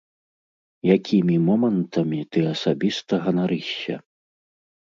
Якімі момантамі ты асабіста ганарышся?